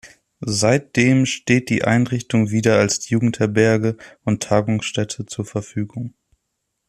Seitdem steht die Einrichtung wieder als Jugendherberge und Tagungsstätte zur Verfügung.